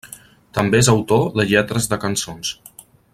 També és autor de lletres de cançons.